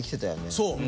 そう。